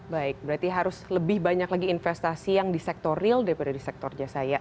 baik berarti harus lebih banyak lagi investasi yang di sektor real daripada di sektor jasa ya